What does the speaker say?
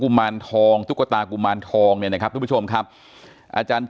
มารทองตุ๊กตากุมารทองเนี่ยนะครับทุกผู้ชมครับอาจารย์